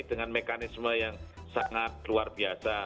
dengan mekanisme yang sangat luar biasa